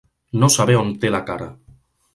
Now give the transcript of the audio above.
No saber on té la cara.